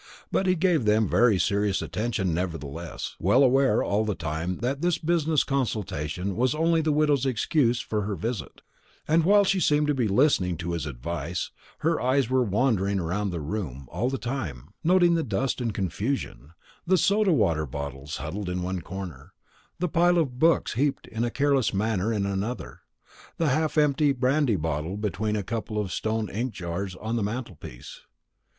But he gave them very serious attention nevertheless, well aware, all the time that this business consultation was only the widow's excuse for her visit; and while she seemed to be listening to his advice, her eyes were wandering round the room all the time, noting the dust and confusion, the soda water bottles huddled in one corner, the pile of books heaped in a careless mass in another, the half empty brandy bottle between a couple of stone ink jars on the mantelpiece.